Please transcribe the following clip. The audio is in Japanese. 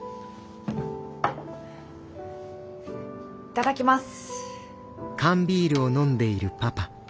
頂きます。